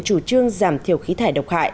chủ trương giảm thiểu khí thải độc hại